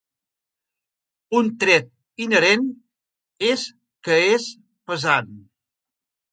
Un tret inherent és que és pesant.